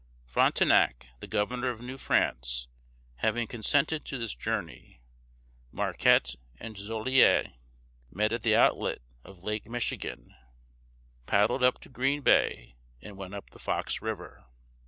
Fron´te nac, the governor of New France, having consented to this journey, Marquette and Joliet met at the outlet of Lake Mich´i gan (map, page 322), paddled up to Green Bay, and went up the Fox River.